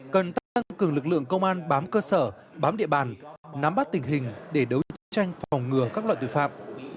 cần tăng cường lực lượng công an bám cơ sở bám địa bàn nắm bắt tình hình để đấu tranh phòng ngừa các loại tội phạm